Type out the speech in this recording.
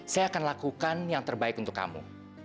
saya akan lakukan yang terbaik untuk kamu